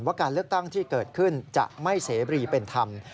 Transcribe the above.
การเลือกตั้งที่เกิดขึ้นจะไม่เสบรีเป็นธรรม